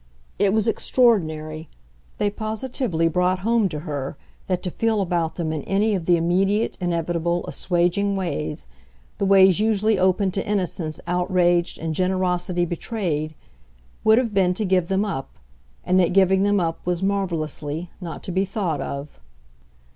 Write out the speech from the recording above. It was extraordinary: they positively brought home to her that to feel about them in any of the immediate, inevitable, assuaging ways, the ways usually open to innocence outraged and generosity betrayed, would have been to give them up, and that giving them up was, marvellously, not to be thought of.